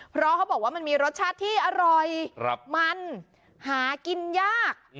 เพราะเขาบอกว่ามันมีรสชาติที่อร่อยมันหากินยาก